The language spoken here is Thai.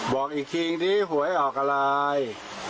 บอกอีกทีอีกนิดนึงหวยให้ออกอะไร